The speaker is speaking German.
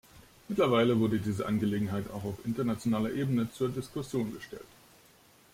Mittlerweile wurde diese Angelegenheit auch auf internationaler Ebene zur Diskussion gestellt.